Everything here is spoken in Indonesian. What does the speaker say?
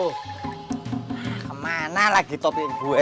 ah kemana lagi topi gua ya